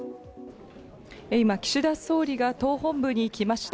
今、岸田総理が党本部に来ました。